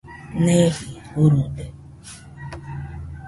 Neeji jurude